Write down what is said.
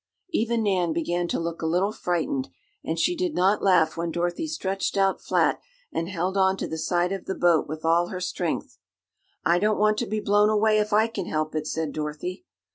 Even Nan began to look a little frightened, and she did not laugh when Dorothy stretched out flat and held on to the side of the boat with all her strength. "I don't want to be blown away if I can help it," said Dorothy.